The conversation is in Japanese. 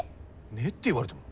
「ねっ？」て言われても。